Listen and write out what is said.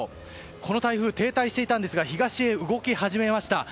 この台風、停滞していたんですが東へ動き始めました。